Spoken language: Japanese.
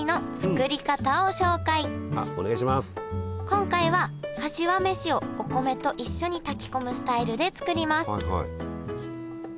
今回はかしわ飯をお米と一緒に炊き込むスタイルで作ります。